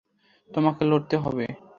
তোমাকে লড়তে হবে।